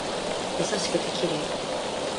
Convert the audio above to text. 優しくて綺麗